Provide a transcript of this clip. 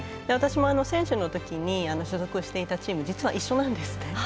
私も選手のときに所属していたチーム実は一緒なんですね。